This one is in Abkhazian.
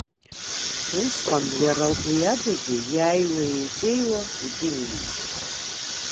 Усҟан, иара уи адагьы, ииааиуа-еиҵеиуа итәы имихуан.